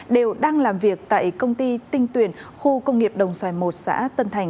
đều đang làm việc tại công ty tinh tuyển khu công nghiệp đồng xoài một xã tân thành